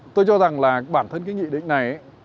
tôi cho rằng là bản thân cái nghị định này